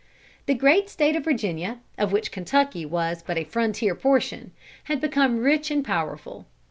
The great State of Virginia, of which Kentucky was but a frontier portion, had become rich and powerful.